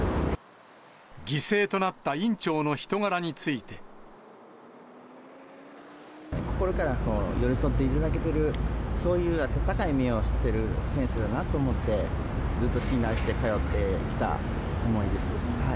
犠牲となった院長の人柄につ心から寄り添っていただけている、そういう温かい目をしてる先生だなと思って、ずっと信頼して通ってきた思いです。